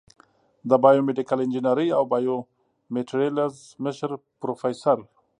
د بایو میډیکل انجینرۍ او بایومیټریلز مشر پروفیسر